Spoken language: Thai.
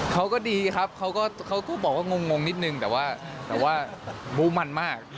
เขาก็ดีครับเขาก็บอกว่างงนิดนึงแต่ว่ามุมันมาก